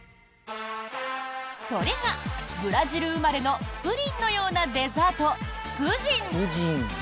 それが、ブラジル生まれのプリンのようなデザートプヂン。